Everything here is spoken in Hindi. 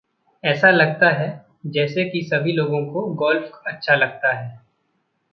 ऐसा लगता है जैसे कि सभी लोगों को गौल्फ़ अच्छा लगता है।